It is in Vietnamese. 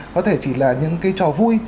có thể chỉ là những trò vui